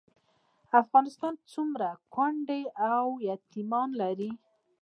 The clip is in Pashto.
افغانستان څومره کونډې او یتیمان لري؟